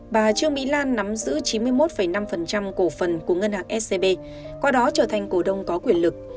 bà trương mỹ lan nắm giữ chín mươi một năm cổ phần của ngân hàng scb qua đó trở thành cổ đông có quyền lực